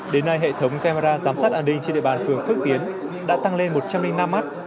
đến nay hệ thống camera giám sát an ninh trên địa bàn phường phước tiến đã tăng lên một trăm linh năm mắt